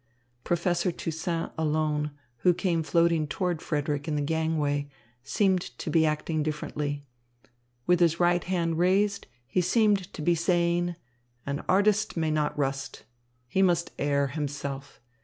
Professor Toussaint alone, who came floating toward Frederick in the gangway, seemed to be acting differently. With his right hand raised, he seemed to be saying: "An artist may not rust. He must air himself.